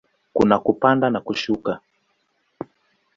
Kuna kupanda na kushuka.